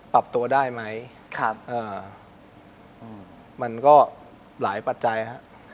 ปรับตัวได้ไหมอ่ามันก็หลายปัจจัยครับครับ